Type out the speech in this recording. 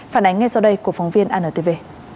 phản ánh ngay sau đây của phóng viên antv